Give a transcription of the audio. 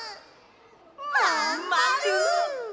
まんまる！